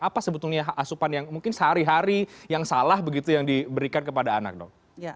apa sebetulnya asupan yang mungkin sehari hari yang salah begitu yang diberikan kepada anak dok